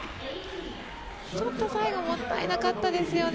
ちょっと最後もったいなかったですよね。